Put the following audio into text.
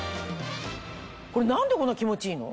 これ何でこんな気持ちいいの？